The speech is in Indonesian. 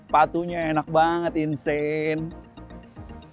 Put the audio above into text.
patunya enak banget insane